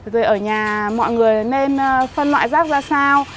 rồi ở nhà mọi người nên phân loại rác ra sao